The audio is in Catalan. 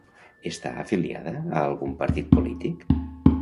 Està afiliada a algun partit polític?